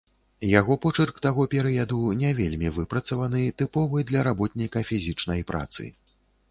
Яго почырк таго перыяду не вельмі выпрацаваны, тыповы для работніка фізічнай працы.